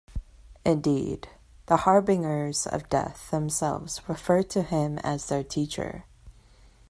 Indeed, The Harbingers of Death themselves refer to him as their "teacher".